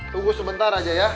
tunggu sebentar aja ya